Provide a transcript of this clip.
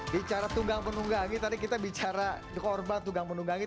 bicara tunggang penunggangi tadi kita bicara korban tunggang menunggangi